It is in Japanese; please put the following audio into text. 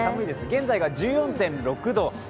現在が１４．６度。